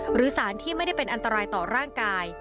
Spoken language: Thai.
หรือสารที่ไม่ได้เป็นอันตรายต่อร่างกาย